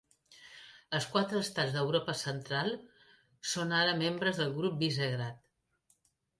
Els quatre estats d'Europa Central són ara membres del grup Visegrad.